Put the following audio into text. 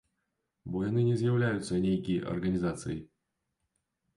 Бо яны не з'яўляюцца нейкі арганізацыяй.